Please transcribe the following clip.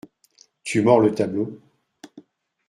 Tu mords le tableau ?